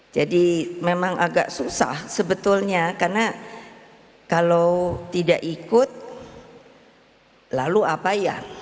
jadi memang agak susah sebetulnya karena kalau tidak ikut lalu apa ya